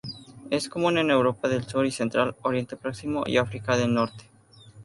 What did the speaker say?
Es común en Europa del sur y central, Oriente Próximo y África del Norte.